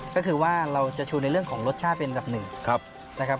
ก็คือว่าเราจะชูในเรื่องของรสชาติเป็นอันดับหนึ่งนะครับ